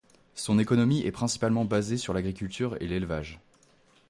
Son économie est principalement basée sur l'agriculture et l'élevage.